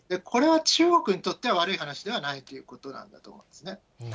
これは中国にとっては悪い話ではないということなんだと思いますね。